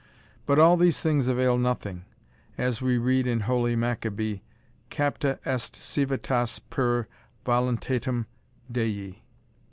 But all these things avail nothing As we read in holy Maccabee, Capta est civitas per voluntatem Dei.